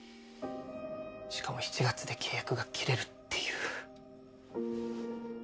しかも７月で契約が切れるっていう。